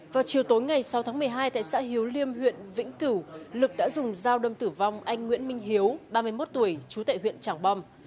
vào chiều tối ngày sáu tháng một mươi hai tại xã hiếu liêm huyện vĩnh cửu lực đã dùng dao đâm tử vong anh nguyễn minh hiếu ba mươi một tuổi chú tệ huyện trảng bom